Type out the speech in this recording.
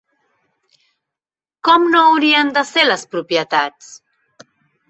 Com no haurien de ser les propietats?